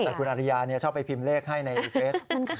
แต่คุณอริยาชอบไปพิมพ์เลขให้ในเฟส